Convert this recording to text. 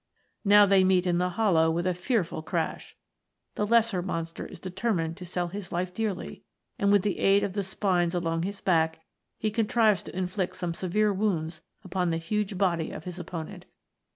Now they meet in the hollow with a fearful crash. The lesser monster is determined to sell his life dearly, and with the aid of the spines along his back he contrives to inflict some severe wounds upon the huge body of his opponent.